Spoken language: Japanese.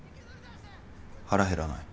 腹減らない？